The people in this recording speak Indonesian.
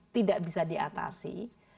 tidak bisa diatasi